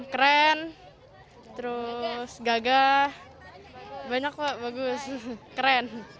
keren terus gagah banyak kok bagus keren